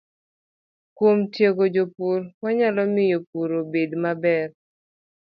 Kuom tiego jopur, wanyalo miyo pur obed maber